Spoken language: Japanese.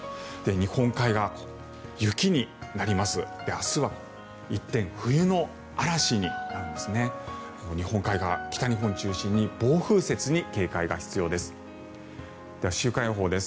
日本海側、北日本を中心に暴風雪に警戒が必要です。